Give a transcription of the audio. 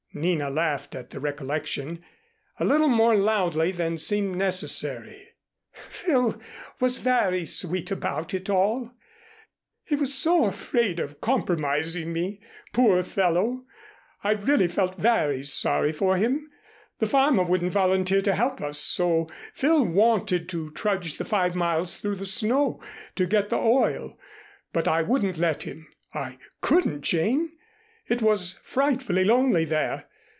Nina laughed at the recollection, a little more loudly than seemed necessary. "Phil was very sweet about it all. He was so afraid of compromising me, poor fellow. I really felt very sorry for him. The farmer wouldn't volunteer to help us, so Phil wanted to trudge the five miles through the snow to get the oil. But I wouldn't let him. I couldn't, Jane. It was frightfully lonely there.